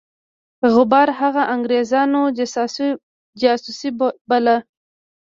غبار هغه د انګرېزانو جاسوس باله.